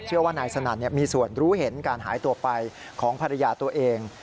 เชื่อว่านายสนั่นมีส่วนรู้เห็นการหายตัวไปของภรรยาตัวเอง